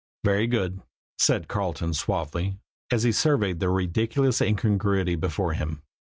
"Very good," said Carleton suavely, as he surveyed the ridiculous incongruity before him.